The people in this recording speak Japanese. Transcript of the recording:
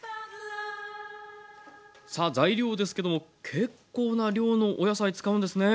さあ材料ですけども結構な量のお野菜使うんですね。